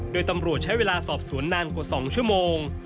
โดยตำรวจใช้เวลาสอบสวนนานกว่า๒ชั่วโมง